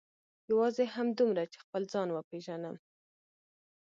یوازې همدومره چې خپل ځان وپېژنم.